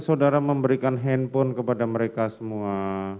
saudara memberikan handphone kepada mereka semua